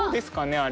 あれ。